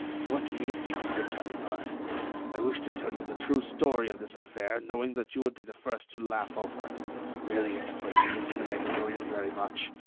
What do you think of it, Ganimard? I wished to tell you the true story of this affair, knowing that you would be the first to laugh over it. Really, it is quite amusing, and I have enjoyed it very much.